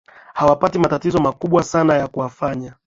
hawapati matatizo makubwa sana ya kuwafanya